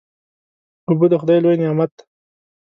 اوبه د خدای لوی نعمت دی.